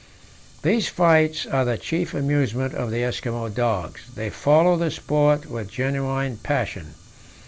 These fights are the chief amusement of the Eskimo dogs; they follow the sport with genuine passion.